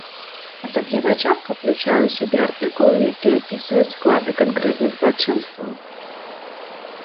Асаблівая частка ўключае ў сябе артыкулы, якія апісваюць склады канкрэтных злачынстваў.